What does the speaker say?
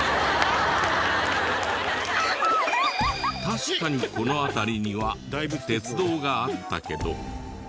確かにこの辺りには鉄道があったけど。